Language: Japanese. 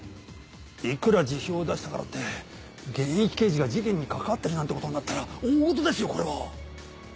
いくら辞表を出したからって現役刑事が事件に関わってるなんてことになったら大事ですよこれは。